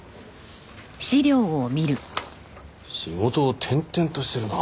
仕事を転々としてるな。